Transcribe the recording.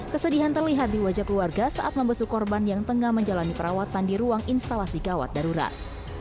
kesedihan terlihat di wajah keluarga saat membesuk korban yang tengah menjalani perawatan di ruang instalasi gawat darurat